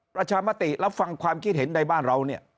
ประชามติรับฟังความคิดเห็นในบ้านเราเนี่ย